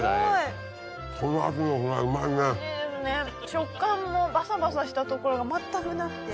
食感もバサバサしたところが全くなくて。